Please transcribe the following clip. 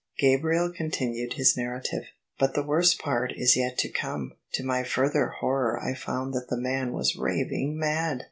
Gabriel continued his narrative. " But the worst part is yet to come. To my further horror I found that the man was raving mad!